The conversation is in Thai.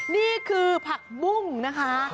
นี่คือผักบุ้งนะคะ